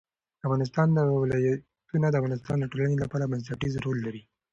د افغانستان ولايتونه د افغانستان د ټولنې لپاره بنسټيز رول لري.